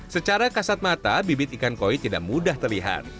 secara kasat mata bibit ikan koi tidak mudah terlihat